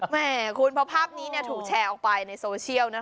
แม่คุณเพราะภาพนี้ถูกแชร์ออกไปในโซเชียล